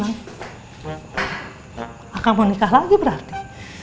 ah kamu nikah lagi berarti